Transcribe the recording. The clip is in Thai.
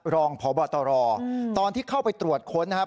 รองพบตรตอนที่เข้าไปตรวจค้นนะครับ